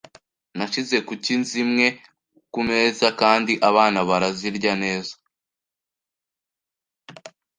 Nashyize kuki zimwe kumeza kandi abana barazirya neza.